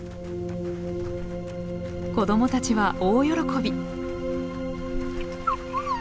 子どもたちは大喜び。